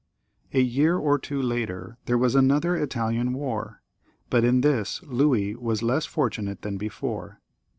A year or two later there was another Italian war, but in this Louis was less fortunate than before.